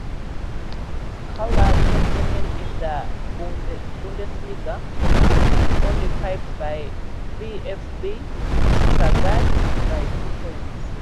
Schalke came second in the Bundesliga, only pipped by VfB Stuttgart by two points.